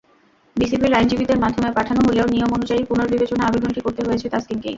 বিসিবির আইনজীবীদের মাধ্যমে পাঠানো হলেও নিয়ম অনুযায়ী পুনর্বিবেচনার আবেদনটি করতে হয়েছে তাসকিনকেই।